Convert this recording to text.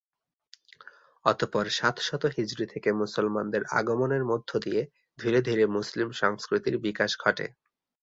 অতপর সাত শত হিজরী থেকে মুসলমানদের আগমনের মধ্য দিয়ে ধীরে ধীরে মুসলিম সংস্কৃতির বিকাশ ঘটে।